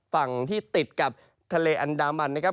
ฝั่งที่ติดกับทะเลอันดามันนะครับ